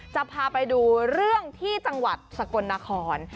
จะพาไปดูเรื่องที่จังหวัดสกลนคร